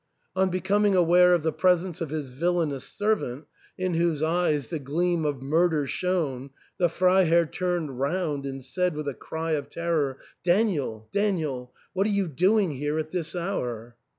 On becoming aware of the presence of his villainous servant, in whose eyes the gleam of mur der shone, the Freiherr turned round and said with a cry of terror, " Daniel, Daniel, what are you doing here at this hour